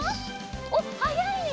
おっはやいね！